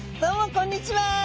こんにちは。